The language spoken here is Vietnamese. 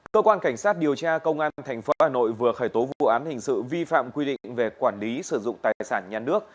cơ quan cảnh sát điều tra công an tp hà nội vừa khởi tố vụ án hình sự vi phạm quy định về quản lý sử dụng tài sản nhà nước